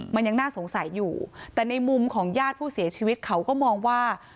มันยังน่าสงสัยอยู่แต่ในมุมของญาติผู้เสียชีวิตเขาก็มองว่า